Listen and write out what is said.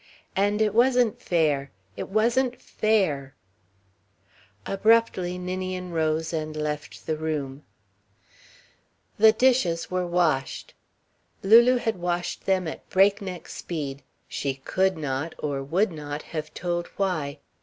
And it wasn't fair, it wasn't fair Abruptly Ninian rose and left the room. The dishes were washed. Lulu had washed them at break neck speed she could not, or would not, have told why.